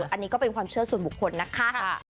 อันนี้ก็เป็นความเชื่อส่วนบุคคลนะคะ